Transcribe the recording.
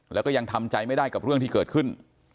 แล้วก็ยังทำใจไม่ได้กับเรื่องที่เกิดขึ้น